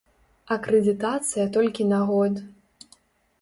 Акрэдытацыя толькі на год.